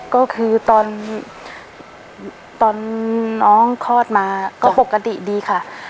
ก็คือตอนน้องคลอดมาก็ปกติดีค่ะ